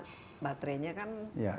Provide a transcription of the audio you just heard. karena baterainya kan